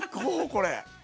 これ。